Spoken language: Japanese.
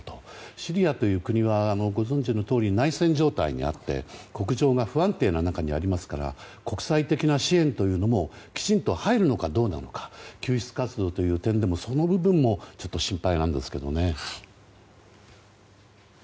シリアという国はご存じのとおり内戦状態にあって国情が不安定の中にありますから国際的な支援というのもきちんと入るのかどうなのか救出活動という点でもその部分も心配なんですけどね。